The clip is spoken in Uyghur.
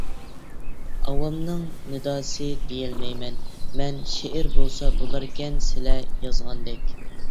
ئاۋامنىڭ نىداسى دېيەلەيمەن مەن، شېئىر بولسا بولاركەن سىلە يازغاندەك.